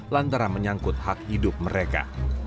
lantaran menyangkut hak hidup mereka